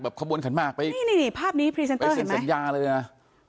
แบบข้อบนขันหมากนี่ภาพนี้พรีเซนเตอร์เห็นไหมไปเซ็นสัญญาเลยนะ